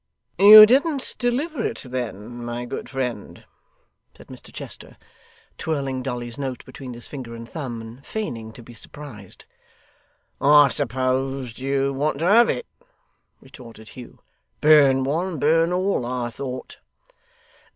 'You didn't deliver it then, my good friend?' said Mr Chester, twirling Dolly's note between his finger and thumb, and feigning to be surprised. 'I supposed you'd want to have it,' retorted Hugh. 'Burn one, burn all, I thought.